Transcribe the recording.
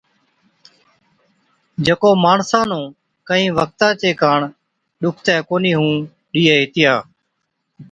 جڪو ماڻسان نُون ڪهِين وقتا چي ڪاڻ ڏُکتي ڪونهِي هُئُون ڏِيئي هِتِيا۔